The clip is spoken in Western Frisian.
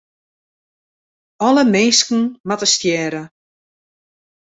Alle minsken moatte stjerre.